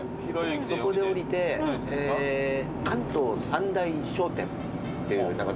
そこで降りて関東三大聖天っていう。